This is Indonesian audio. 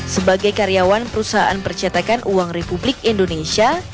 sebagai karyawan perusahaan percetakan uang republik indonesia